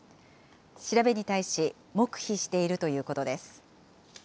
調べに対し黙秘しているということです。